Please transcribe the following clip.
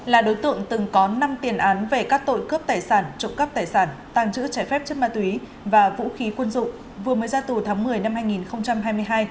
là đối tượng từng có năm tiền án về các tội cướp tài sản trộm cắp tài sản tàng trữ trái phép chất ma túy và vũ khí quân dụng vừa mới ra tù tháng một mươi năm hai nghìn hai mươi hai